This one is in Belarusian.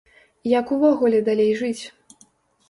Як увогуле далей жыць?